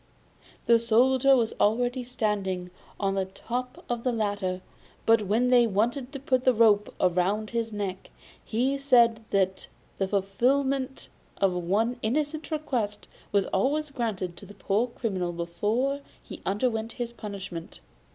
The Soldier was already standing on the top of the ladder; but when they wanted to put the rope round his neck, he said that the fulfilment of one innocent request was always granted to a poor criminal before he underwent his punishment.